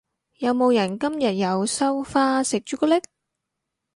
有冇人今日有收花食朱古力？